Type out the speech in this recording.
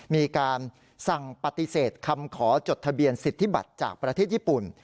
มีการสั่งปฏิเสธคำขอจดทะเบียนสิทธิบัตรจากประเทศญี่ปุ่น